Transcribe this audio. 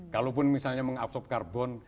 kalaupun misalnya mengabsorb karbon